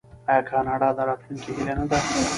آیا کاناډا د راتلونکي هیله نه ده؟